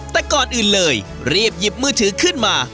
แต่ก่อนอื่นเลยรีบหยิบมือถือขึ้นมา